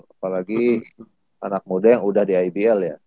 apalagi anak muda yang udah di ibl ya